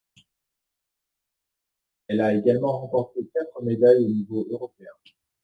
Elle a également remporté quatre médailles au niveau européen.